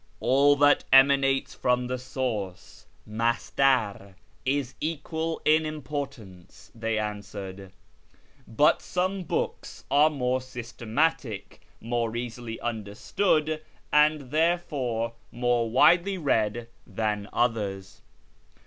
" All that emanates from the Source (masdar) is equal in importance," they answered, " but some books are more systematic, more easily understood, and therefore more widely read than others.